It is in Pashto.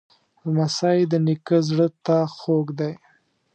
لمسی د نیکه زړه ته خوږ دی.